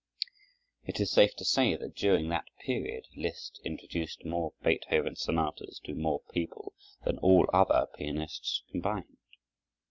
It is safe to say that during that period Liszt introduced more Beethoven sonatas to more people than all other pianists combined.